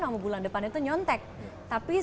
sama bulan depan itu nyontek tapi